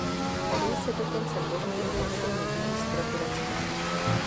Nyní se dokonce mluví o zrušení víz pro Turecko.